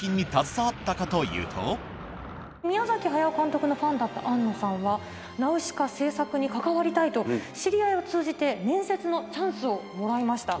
宮崎駿監督のファンだった庵野さんは『ナウシカ』製作に関わりたいと知り合いを通じて面接のチャンスをもらいました。